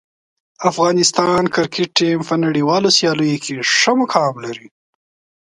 افغانستان کرکټ ټیم په نړیوالو سیالیو کې ښه مقام لري.